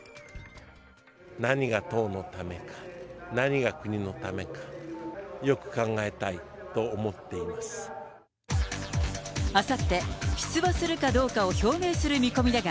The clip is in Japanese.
何が党のためか、何が国のためか、あさって、出馬するかどうかを表明する見込みだが、